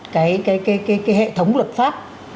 cái hệ thống luật pháp